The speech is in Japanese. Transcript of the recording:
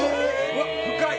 うわっ深い！